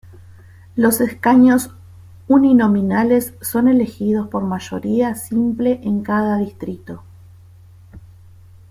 Los escaños uninominales son elegidos por mayoría simple en cada distrito.